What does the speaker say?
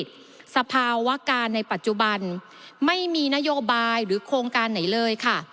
สภาวะการในปัจจุบันไม่มีนโยบายหรือโครงการไหนเลยค่ะ